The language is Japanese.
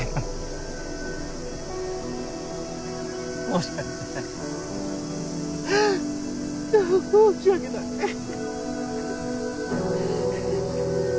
申し訳ない！